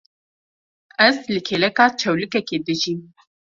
Ez li kêleka çewlikekê dijîm.